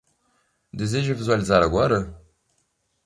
Deseja visualizar agora?